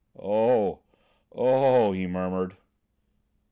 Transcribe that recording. "Oh! Oh! " he murmured.